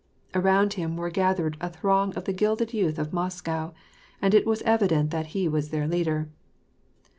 Around him were gathered a throng of the gilded youth of Moscow, and it was evident that he was their leader.